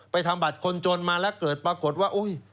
ทำบัตรคนจนมาแล้วเกิดปรากฏว่าอุ๊ย